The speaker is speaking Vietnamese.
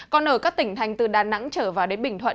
còn ở các tỉnh thành từ đà nẵng trở vào đến bình thuận